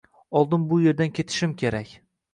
Oldin bu yerdan ketishim kerak.